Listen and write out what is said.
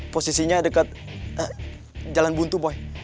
posisinya dekat jalan buntu boy